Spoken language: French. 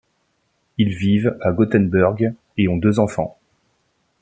Ils vivent à Gothenburg et ont deux enfants.